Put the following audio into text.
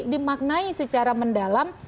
dimaknai secara mendalam